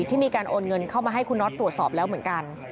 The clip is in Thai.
ที่มีการโอนเงินเข้ามาให้คุณน็อตตรวจสอบแล้วเหมือนกัน